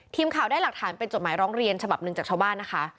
ทีมข่าวได้หลักฐานเป็นจดหมายร้องเรียนฉบับหนึ่งจากชาวบ้านนะคะ